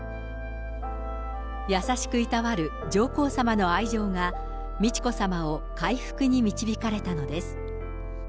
優しくいたわる上皇さまの愛情が、美智子さまを回復に導かれたのです。